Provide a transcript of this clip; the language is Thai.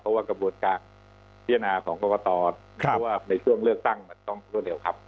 เพราะว่ากระบวนการเทียนนาของกรกตในช่วงเลือกตั้งมันต้องรวดเหลวครับ